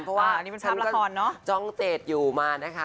เพราะว่าฉันก็จ้องเจดอยู่มานะคะ